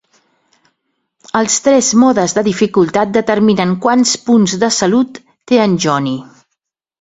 Els tres modes de dificultat determinen quants punts de salut té en Johnny.